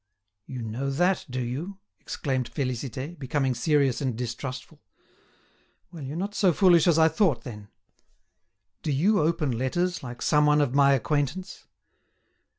"You know that, do you?" exclaimed Félicité, becoming serious and distrustful. "Well, you're not so foolish as I thought, then. Do you open letters like some one of my acquaintance?"